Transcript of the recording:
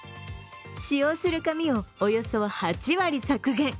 使用する紙をおよそ８割削減。